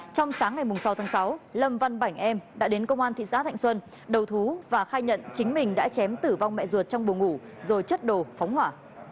trong sáng ngày sáu tháng sáu lâm văn bảnh em đã đến công an tp hậu giang đầu thú và khai nhận chính mình đã chém tử vong mẹ ruột trong bồ ngủ rồi chất đồ phóng hỏa